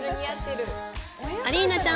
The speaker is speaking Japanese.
アリーナちゃん